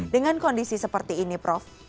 dengan kondisi seperti ini prof